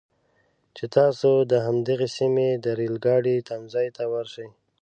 چې تاسو د همدغې سیمې د ریل ګاډي تمځي ته ورشئ.